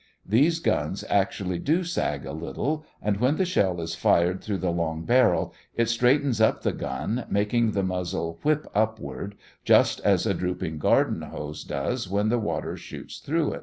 These guns actually do sag a little, and when the shell is fired through the long barrel it straightens up the gun, making the muzzle "whip" upward, just as a drooping garden hose does when the water shoots through it.